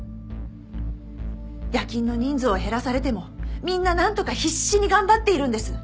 夜勤の人数を減らされてもみんななんとか必死に頑張っているんです。